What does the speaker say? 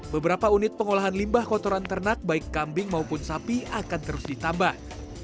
beberapa unit pengolahan limbah kotoran ternak baik kambing maupun sapi akan terus ditambah